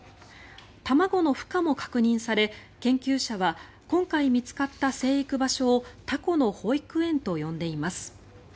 卵のふ化も確認され研究者は今回見つかった生育場所をタコの保育園と呼んでいます。